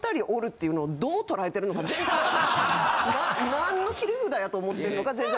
何の切り札やと思ってるのか全然。